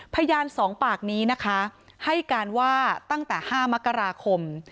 พยานสองปากนี้นะคะให้การว่าตั้งแต่๕มกราคม